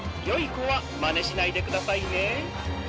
よいこはまねしないでくださいね。